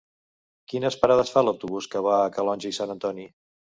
Quines parades fa l'autobús que va a Calonge i Sant Antoni?